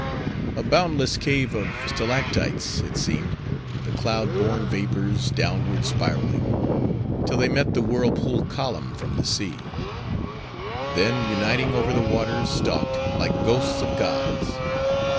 A boundless cave of stalactites, it seemed; the cloud born vapors downward spiraling, till they met the whirlpool column from the sea; then, uniting, over the waters stalked, like ghosts of gods.